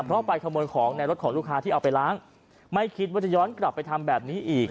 เพราะไปขโมยของในรถของลูกค้าที่เอาไปล้างไม่คิดว่าจะย้อนกลับไปทำแบบนี้อีก